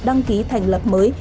đăng ký thành lập mới